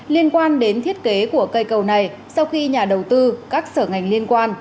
liên quan đến thiết kế của cây cầu này sau khi nhà đầu tư các sở ngành liên quan